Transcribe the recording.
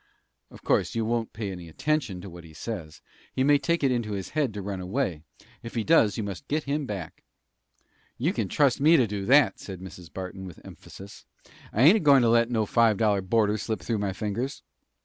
"Of course; you won't pay any attention to what he says. He may take it into his head to run away. If he does, you must get him back." "You can trust me to do that!" said Mrs. Barton, with emphasis. "I ain't goin' to let no five dollar boarder slip through my fingers!"